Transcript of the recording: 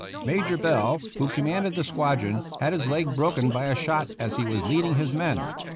Major Bell, who commanded the squadron, had his leg broken by a shot as he was leading his men.